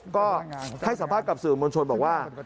ก็ให้สัมภาษณ์กับสื่อมวลชนบอกว่า